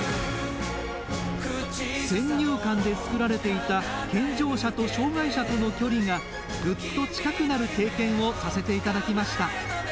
先入観で作られていた健常者と障害者との距離が、ぐっと近くなる経験をさせていただきました。